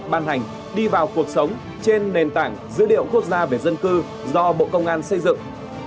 ban hành đi vào cuộc sống trên nền tảng dữ liệu quốc gia về dân cư do bộ công an xây dựng